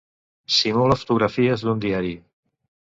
simula fotografies d'un diari